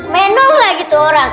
menong lagi tuh orang